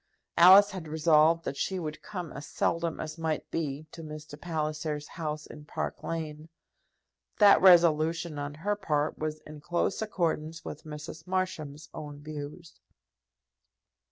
Alice had resolved that she would come as seldom as might be to Mr. Palliser's house in Park Lane. That resolution on her part was in close accordance with Mrs. Marsham's own views.